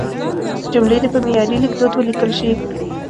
جملې دې په معیاري لیکدود ولیکل شي.